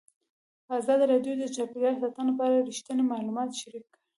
ازادي راډیو د چاپیریال ساتنه په اړه رښتیني معلومات شریک کړي.